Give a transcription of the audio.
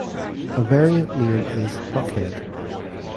A variant name is "Buckhead".